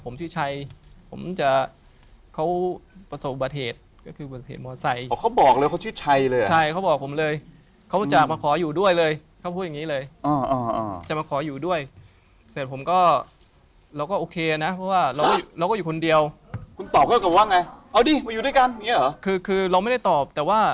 ไม่ได้น่ากลัวครับ